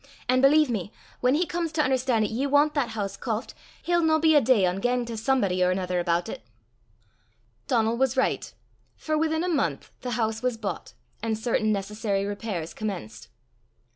An' believe me, whan he comes to un'erstan' 'at ye want that hoose koft, he'll no be a day ohn gane to somebody or anither aboot it." Donal was right, for within a month the house was bought, and certain necessary repairs commenced.